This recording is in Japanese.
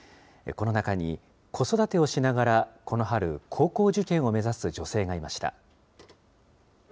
この中に、子育てをしながらこの春、高校受験を目指す女性がいました。